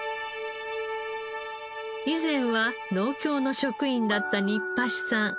以前は農協の職員だった新橋さん。